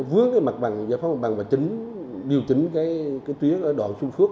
nó vướng cái mặt bằng giải phóng bằng và điều chỉnh cái tuyến ở đoạn xuân phước